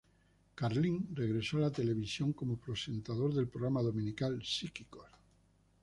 Carlín regresó a la televisión como presentador del programa dominical "Psíquicos".